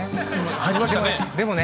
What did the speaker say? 入りましたね。